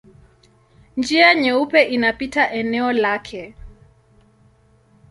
Njia Nyeupe inapita eneo lake.